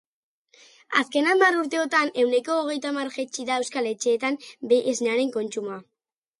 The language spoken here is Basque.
Azken hamar urteotan, ehuneko hogeitamar jaitsi da euskal etxeetan behi esnearen kontsumoa.